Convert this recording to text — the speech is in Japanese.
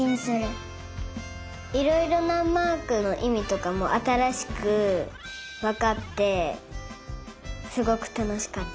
いろいろなマークのいみとかもあたらしくわかってすごくたのしかった。